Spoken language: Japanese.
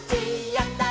「やった！